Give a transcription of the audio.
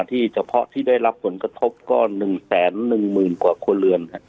ที่เฉพาะที่ได้รับผลกระทบก็๑แสน๑หมื่นกว่าครับ